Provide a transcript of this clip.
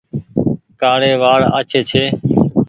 ڪآڙي وآڙ آڇي ڇي۔